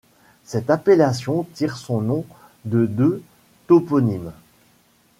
Cette appellation tire son nom de deux toponymes.